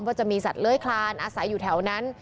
ว่าจะมีสัตว์เลื้อยคลานอาศัยอยู่แถวนั้น